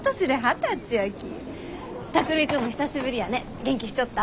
巧海君も久しぶりやね元気しちょった？